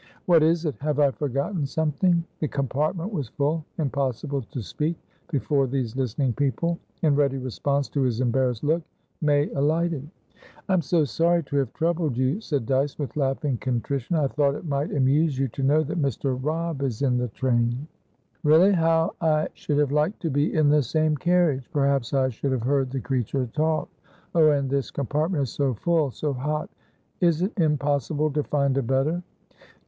"What is it? Have I forgotten something?" The compartment was full. Impossible to speak before these listening people. In ready response to his embarrassed look, May alighted. "I'm so sorry to have troubled you," said Dyce, with laughing contrition. "I thought it might amuse you to know that Mr. Robb is in the train!" "Really? How I should have liked to be in the same carriage. Perhaps I should have heard the creature talk. Oh, and this compartment is so full, so hot! Is it impossible to find a better?"